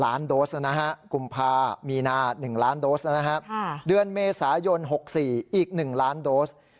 ล้านโดสนะฮะกุมภามีนา๑ล้านโดสนะครับเดือนเมษายน๖๔อีก๑ล้านโดส